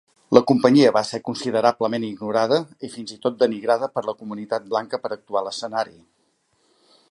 La companyia va ser considerablement ignorada i fins i tot denigrada per la comunitat blanca per actuar a l'escenari.